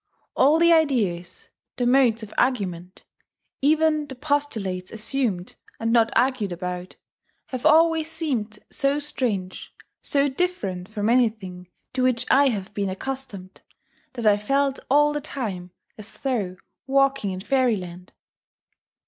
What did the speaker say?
] All the ideas, the modes of argument, even the postulates assumed and not argued about, have always seemed so strange, so different from anything to which I have been accustomed, that I felt all the time as though walking in Fairyland.